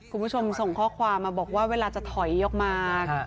คุณผู้ชมส่งข้อความมาบอกว่าเวลาจะถอยออกมา